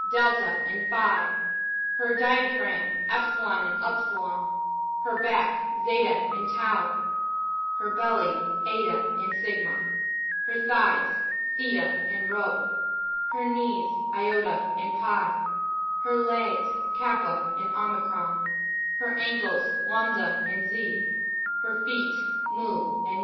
Delta and Phi ; her diaphragm, Epsilon and Upsilon; her back, Zeta and Tan; her belly, Eta and Sigma ; her thighs, Theta and Rho; her knees, Iota and Pi; her legs, Kapipa and 0 micron ; her ancles, Ijamhda and Xi ; her feet, Mu and Na.